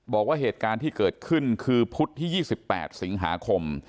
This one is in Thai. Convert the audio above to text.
บอกว่าเหตุการณ์ที่เกิดขึ้นคือพุธที่๒๘สิงหาคม